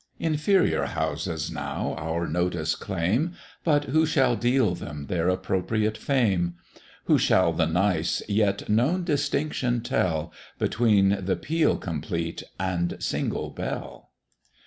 Inferior Houses now our notice claim, But who shall deal them their appropriate fame? Who shall the nice, yet known distinction, tell, Between the peal complete and single Bell?